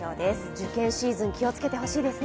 受験シーズン、気をつけてほしいですね。